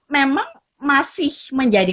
memang masih menjadi